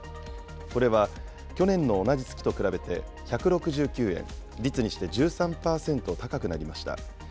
これは去年の同じ月と比べて１６９円、率にして１３％高くなりました。